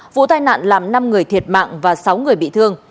vụ tai nạn làm năm người thiệt mạng và sáu người bị thương